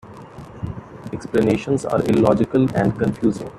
Explanations are illogical and confusing.